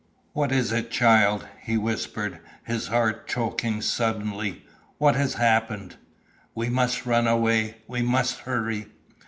"What is it, child?" he whispered, his heart choking suddenly. "What has happened?" "We must run away! We must hurry!"